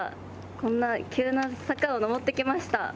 こんな急な坂を上ってきました。